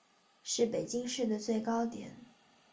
是北京市的最高点。